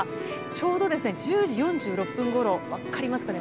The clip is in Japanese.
ちょうど１０時４６分ごろ分かりますかね